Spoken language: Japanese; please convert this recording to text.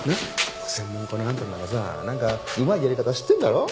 専門家のあんたならさなんかうまいやり方知ってるんだろ？